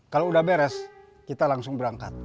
kalau udah beres kita langsung berangkat